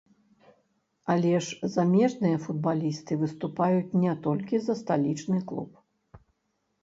Але ж замежныя футбалісты выступаюць не толькі за сталічны клуб.